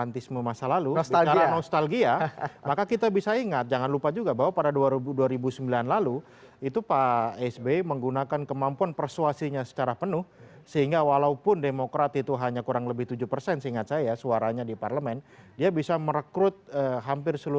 tetaplah bersama kami